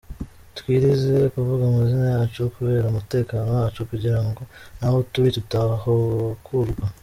Twirinze kuvuga amazina yacu kubera umutekano wacu kugira ngo naho turi tutahakurwa.